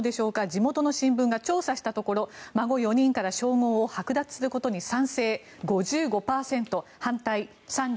地元の新聞が調査したところ孫４人から称号を剥奪することに賛成、５５％反対、３４％。